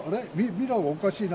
ミラーがおかしいな。